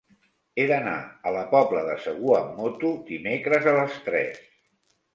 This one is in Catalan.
He d'anar a la Pobla de Segur amb moto dimecres a les tres.